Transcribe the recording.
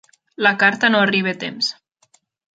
La carta no arriba a temps.